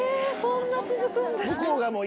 そんなに続くんですか。